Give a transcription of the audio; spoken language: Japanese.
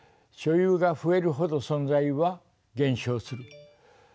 「所有が増えるほど存在は減少する」。